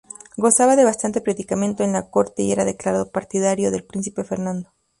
Gozaba de bastante predicamento en la corte y era declarado partidario del príncipe Fernando.